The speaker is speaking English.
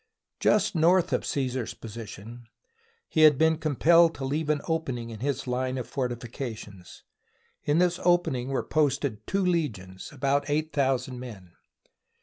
Just north of Caesar's position he had been com [ 106] SIEGE OF ALESIA pelled to leave an opening in his line of fortifica tions. In this opening" were posted two legions, about eight thousand men.